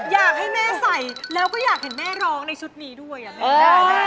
อยากให้แม่ใส่แล้วก็อยากเห็นแม่ร้องในชุดนี้ด้วยอ่ะแม่